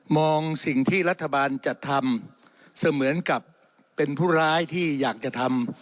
สิ่งที่รัฐบาลจัดทำเสมือนกับเป็นผู้ร้ายที่อยากจะทำ